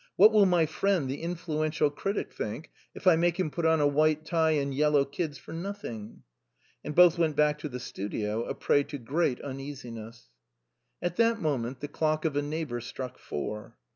" What will my friend, the influential critic, think if I make him put on a white tie and yellow kids for nothing ?" And both went back to the studio, a prey to great un easiness. At that moment the clock of a neighbor struck four.